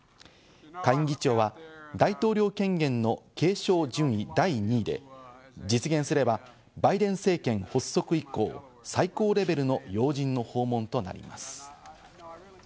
下院議長は大統領権限の継承順位第２位で、実現すればバイデン政権補足以降、最高レベルの要人の訪問となります。